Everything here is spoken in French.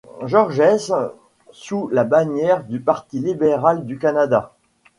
George's sous la bannière du Parti libéral du Canada.